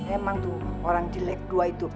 emang tuh orang jelek dua itu